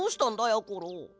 やころ。